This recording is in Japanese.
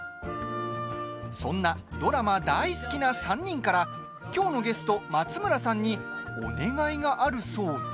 そんなドラマ大好きな３人からきょうのゲスト、松村さんにお願いがあるそうで。